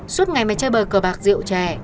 suốt ngày mày chơi bờ cờ bạc rượu trẻ